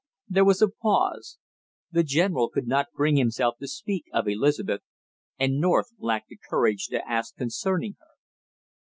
There was a pause. The general could not bring himself to speak of Elizabeth, and North lacked the courage to ask concerning her.